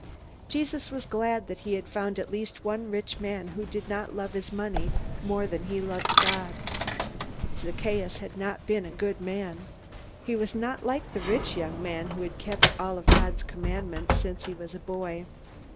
Jesus was glad that he had found at least one rich man who did not love his money more than he loved God. Zacchaeus had not been a good man. He was not like the rich young man who had kept all God's commandments since he was a boy.